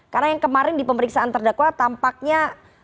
karena yang kemarin di pemeriksaan terdakwa tampaknya